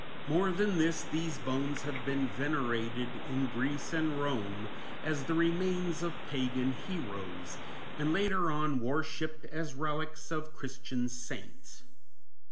More than this, these bones have been venerated in Greece and Rome as the remains of pagan heroes, and later on worshipped as relics of Christian saints.